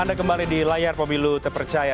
anda kembali di layar pemilu terpercaya